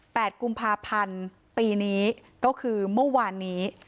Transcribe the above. กุมภาพันธ์ปีนี้ก็คือเมื่อวานนี้